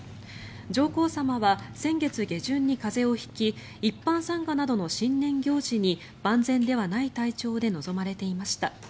上皇さまは先月下旬に風邪を引き一般参賀などの新年行事に万全ではない体調で臨まれていました。